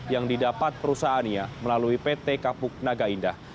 yang didapat perusahaannya melalui pt kapuk naga indah